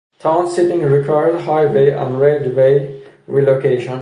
Town sitting required highway and railway relocation.